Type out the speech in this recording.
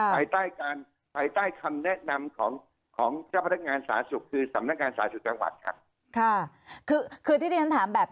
ภายใต้คำแนะนำของเจ้าพนักงานสาสุคือสำนักงานสาสุจังหวัดครับ